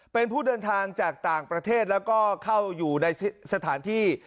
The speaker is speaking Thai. เป็นผู้เดินทางจากต่างประเทศแล้วก็เข้าอยู่ในสถานที่